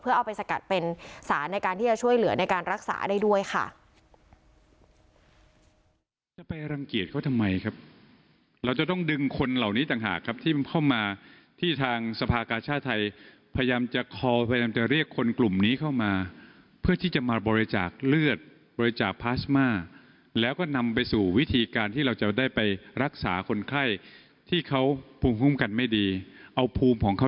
เอาไปสกัดเป็นสารในการที่จะช่วยเหลือในการรักษาได้ด้วยค่ะ